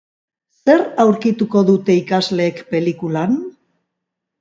Zer aurkituko dute ikusleek pelikulan?